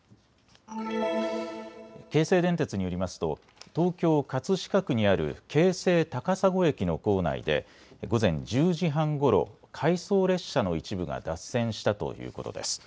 京成電鉄によりますと東京葛飾区にある京成高砂駅の構内で午前１０時半ごろ回送列車の一部が脱線したということです。